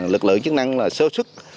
lực lượng chức năng sơ sức